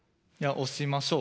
押しましょう。